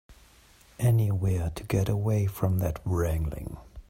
Anywhere to get away from that wrangling.